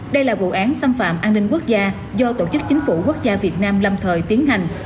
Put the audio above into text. đây là vụ án xâm phạm an ninh quốc gia do tổ chức chính phủ quốc gia việt nam lâm thời tiến hành